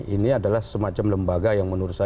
ini adalah semacam lembaga yang menurut saya